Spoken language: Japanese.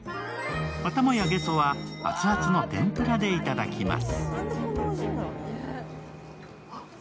頭やゲソは熱々の天ぷらで頂きます。